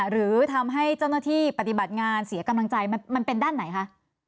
หรือทำให้เจ้าหน้าที่ปฏิบัติงานเสียกำลังใจมันเป็นด้านไหนคะ